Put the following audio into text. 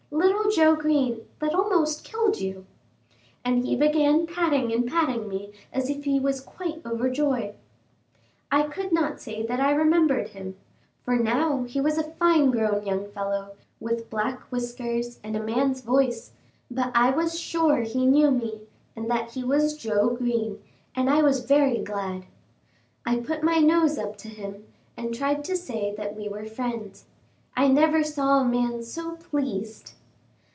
little Joe Green, that almost killed you?" And he began patting and patting me as if he was quite overjoyed. I could not say that I remembered him, for now he was a fine grown young fellow, with black whiskers, and a man's voice, but I was sure he knew me, and that he was Joe Green, and I was very glad. I put my nose up to him, and tried to say that we were friends. I never saw a man so pleased.